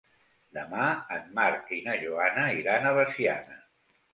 Demà en Marc i na Joana iran a Veciana.